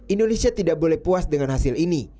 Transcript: indonesia tidak boleh puas dengan hasil ini